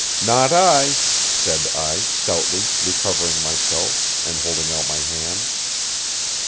"Not I," said I stoutly, recovering myself, and holding out my hand.